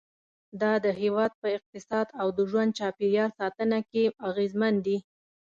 دا د هېواد په اقتصاد او د ژوند چاپېریال ساتنه کې اغیزمن دي.